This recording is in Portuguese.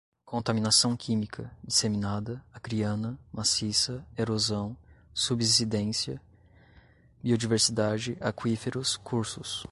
contaminação química, disseminada, acriana, maciça, erosão, subsidência, biodiversidade, aquíferos, cursos